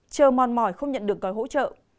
chờ mòn mỏi không nhận được gói hỗ trợ